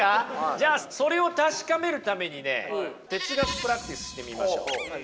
じゃあそれを確かめるためにね哲学プラクティスしてみましょう。